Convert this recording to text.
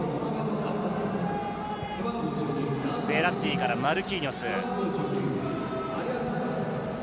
ベッラッティからマルキーニョス。